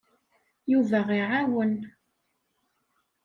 Yuba iɛawen.